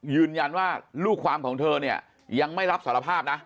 ยืนยันว่าลูกความของเธอเนี่ยยังไม่รับสารภาพนะ